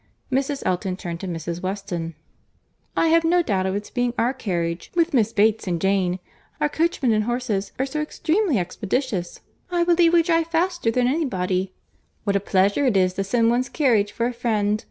Mrs. Elton turned to Mrs. Weston. "I have no doubt of its being our carriage with Miss Bates and Jane. Our coachman and horses are so extremely expeditious!—I believe we drive faster than any body.—What a pleasure it is to send one's carriage for a friend!